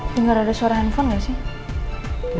dengar ada suara handphone nggak sih